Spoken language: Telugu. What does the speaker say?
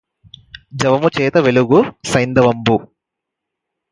జవముచేత వెలుగు సైంధవంబు